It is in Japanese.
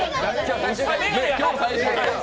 今日最終回。